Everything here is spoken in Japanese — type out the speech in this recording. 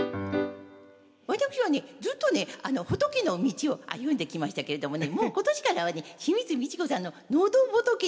私はねずっとね仏の道を歩んできましたけれどもねもう今年からはね清水ミチコさんののど仏に住む事にいたしました。